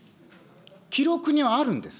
記録にあるんです。